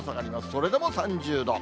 それでも３０度。